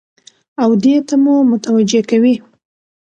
او دې ته مو متوجه کوي